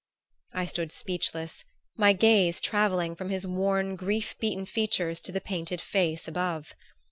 I stood speechless, my gaze travelling from his worn grief beaten features to the painted face above.